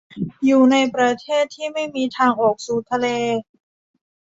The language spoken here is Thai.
อยู่ในประเทศที่ไม่มีทางออกสู่ทะเล